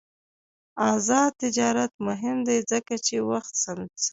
آزاد تجارت مهم دی ځکه چې وخت سپموي.